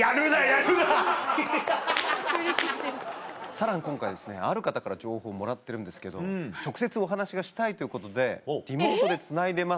さらに今回ある方から情報をもらってるんですけど直接お話しがしたいということでリモートでつないでます。